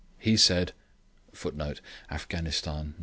He said: [Footnote: Afghanistan, No.